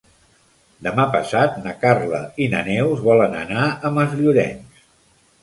Demà passat na Carla i na Neus volen anar a Masllorenç.